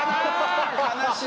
悲しい。